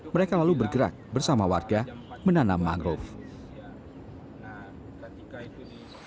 mereka lalu bergerak bersama warga menanam mangrove